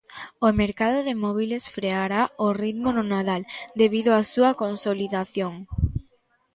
O mercado de móbiles freará o ritmo no Nadal debido á súa consolidación